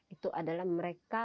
itu adalah mereka